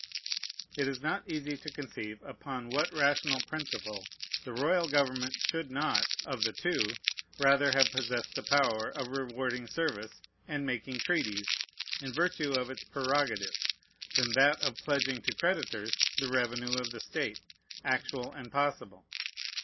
It is not easy to conceive upon what rational principle the royal government should not, of the two, rather have possessed the power of rewarding service and making treaties, in virtue of its prerogative, than that of pledging to creditors the revenue of the state, actual and possible.